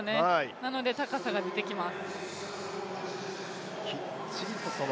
なので高さが出てきます。